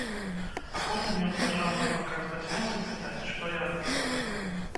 А потым ён пачаў мне паказваць нос і пытаць, што я адчуваю?